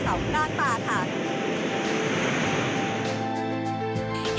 รับชมทีมีผ่านเสาหน้ากลางป่าค่ะ